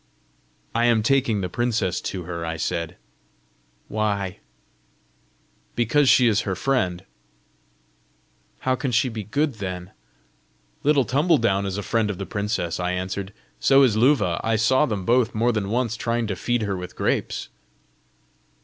"I am taking the princess to her," I said. "Why?" "Because she is her friend." "How can she be good then?" "Little Tumbledown is a friend of the princess," I answered; "so is Luva: I saw them both, more than once, trying to feed her with grapes!"